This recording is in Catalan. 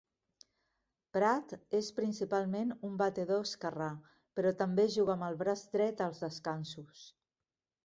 Pratt és principalment un batedor esquerrà, però també juga amb el braç dret als descansos.